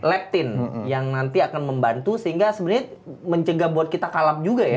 leptin yang nanti akan membantu sehingga sebenarnya mencegah buat kita kalap juga ya